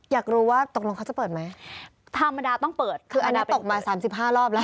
อยากรู้ว่าตกลงเขาจะเปิดไหมธรรมดาต้องเปิดตกมา๓๕รอบแล้ว